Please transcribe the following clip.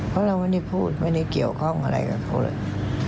เพราะเราไม่ได้พูดไม่ได้เกี่ยวข้องอะไรกับเขาเลย